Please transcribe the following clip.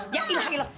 ya ilah ilah